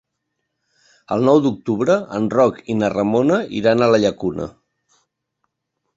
El nou d'octubre en Roc i na Ramona iran a la Llacuna.